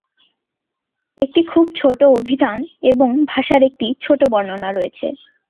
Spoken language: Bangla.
একটি খুব ছোট অভিধান, এবং ভাষার একটি ছোট বর্ণনা রয়েছে।